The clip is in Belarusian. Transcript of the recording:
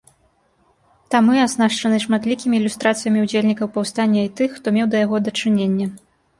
Тамы аснашчаны шматлікімі ілюстрацыямі ўдзельнікаў паўстання і тых, хто меў да яго дачыненне.